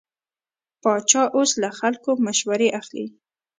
پاچا اوس له خلکو مشوره اخلي.